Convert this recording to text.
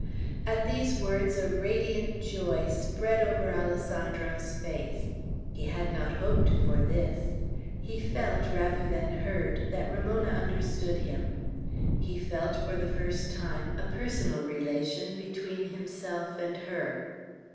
At these words a radiant joy spread over Alessandro's face. He had not hoped for this. He felt, rather than heard, that Ramona understood him. He felt, for the first time, a personal relation between himself and her.